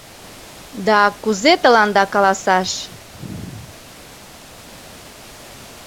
— Да кузе тыланда каласаш?